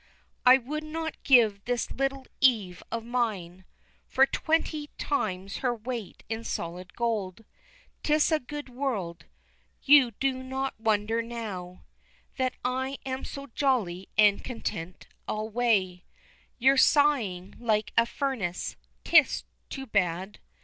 I would not give this little Eve of mine For twenty times her weight in solid gold, 'Tis a good world you do not wonder now That I'm so jolly and content alway; You're sighing like a furnace 'tis too bad!